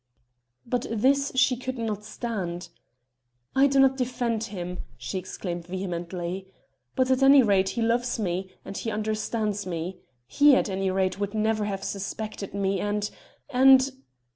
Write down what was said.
But this she could not stand. "I do not defend him," she exclaimed vehemently, "but at any rate he loves me, and he understands me. He, at any rate, would never have suspected me ... and ... and...."